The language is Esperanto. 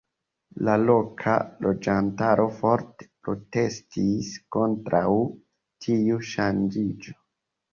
La loka loĝantaro forte protestis kontraŭ tiu ŝanĝiĝo.